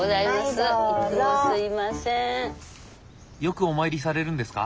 よくお参りされるんですか？